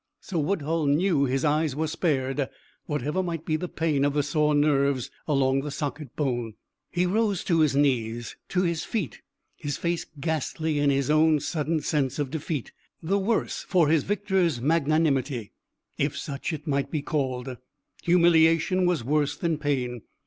So Woodhull knew his eyes were spared, whatever might be the pain of the sore nerves along the socket bone. He rose to his knees, to his feet, his face ghastly in his own sudden sense of defeat, the worse for his victor's magnanimity, if such it might be called. Humiliation was worse than pain.